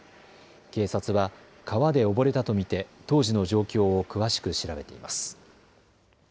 警察は川で溺れたと見て当時の状況を詳しく調べています。